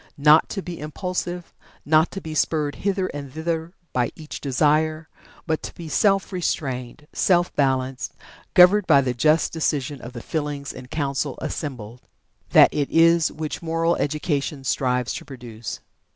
Not to be impulsive not to be spurred hither and thither by each desire but to be self restrained, self balanced, governed by the just decision of the feelings in council assembled that it is which moral education strives to produce."